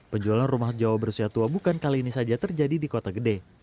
penjualan rumah jawa bersia tua bukan kali ini saja terjadi di kota gede